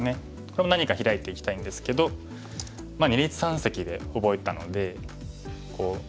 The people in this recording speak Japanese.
これも何かヒラいていきたいんですけど二立三析で覚えたのでこう３つありますよね。